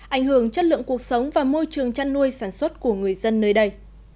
ảnh hưởng chất lượng cuộc sống và môi trường chăn nuôi sản xuất của người dân nơi đây